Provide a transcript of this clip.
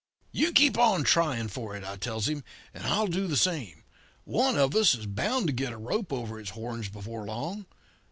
"'You keep on trying for it,' I tells him, 'and I'll do the same. One of us is bound to get a rope over its horns before long.